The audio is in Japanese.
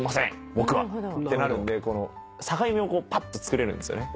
僕はってなるんで境目をぱっとつくれるんですよ。